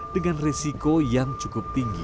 dengan resiko yang cukup tinggi